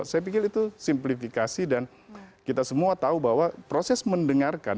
saya pikir itu simplifikasi dan kita semua tahu bahwa proses mendengarkan